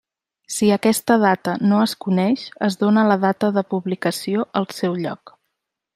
Si aquesta data no es coneix, es dóna la data de publicació el seu lloc.